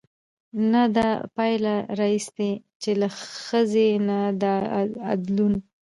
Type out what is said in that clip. نه دا پايله راايستې، چې له ښځې نه د ادلون